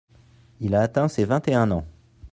Il a atteint ses vingt-et-un ans.